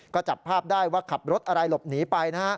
ก็จับภาพได้ว่าขับรถอะไรหลบหนีไปนะฮะ